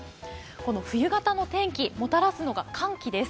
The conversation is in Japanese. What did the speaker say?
冬型の天気をもたらすのが寒気です。